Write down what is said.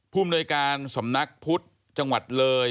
ภูมิหน่วยการสำนักพุทธจังหวัดเลย